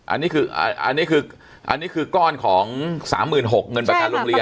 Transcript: อันนี้คืออันนี้คืออันนี้คือก้อนของ๓๖๐๐เงินประกันโรงเรียน